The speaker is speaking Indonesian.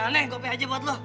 nih gue pake aja buat lo